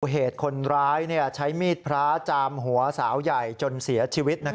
เหตุคนร้ายใช้มีดพระจามหัวสาวใหญ่จนเสียชีวิต